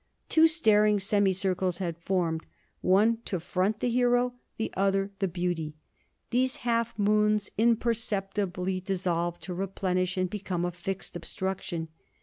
Two staring semi circles had formed, one to front the Hero; the other the Beauty. These half moons imperceptibly dissolved to replenish, and became a fixed obstruction.